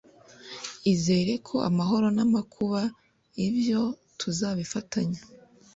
izere ko amahoro n' amakuba ibyo tuzabifatanya